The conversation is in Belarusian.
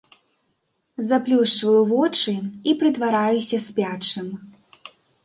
Заплюшчваю вочы і прытвараюся спячым.